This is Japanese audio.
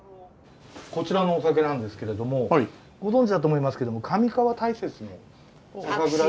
こちらのお酒なんですけれどもご存じだと思いますけども上川大雪の酒蔵で。